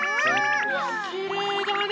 うわきれいだね。